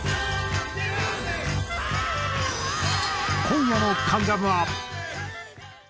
今夜の『関ジャム』は。